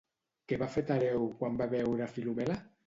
Què va fer Tereu quan va veure Filomela?